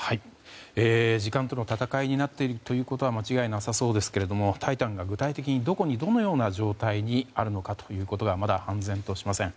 時間との戦いになっていることは間違いなさそうですが「タイタン」が具体的にどこにどのような状態にあるのかということはまだ判然としません。